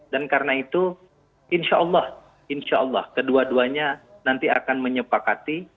dan karena itu insya allah insya allah kedua duanya nanti akan menyepakati